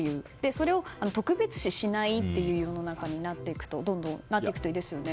それを特別視しない世の中になっていくといいですよね。